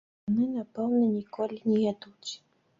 Яны, напэўна, ніколі не ядуць!